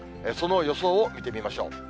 その予想を見てみましょう。